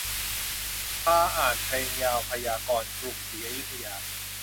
พาอ่านเพลงยาวพยากรณ์กรุงศรีอยุธยา